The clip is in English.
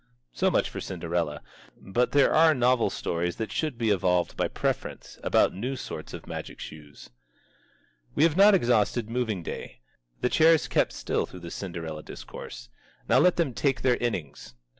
So much for Cinderella. But there are novel stories that should be evolved by preference, about new sorts of magic shoes. We have not exhausted Moving Day. The chairs kept still through the Cinderella discourse. Now let them take their innings.